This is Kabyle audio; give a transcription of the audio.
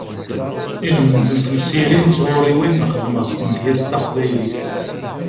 Ilmend n temsirin d tɣuriwin nexdem ɣef tmedyazt taqbaylit.